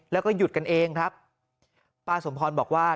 แล้วก็หยุดกันเองครับป้าสมพรบอกว่า